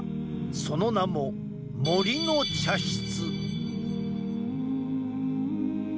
その名も杜の茶室。